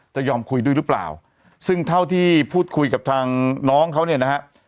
จะยอมคุยด้วยหรือเปล่าซึ่งเท่าที่พูดคุยกับทางน้องเขาเนี่ยนะฮะ